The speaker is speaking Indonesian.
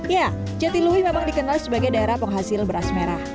ya jatiluwi memang dikenal sebagai daerah penghasil beras merah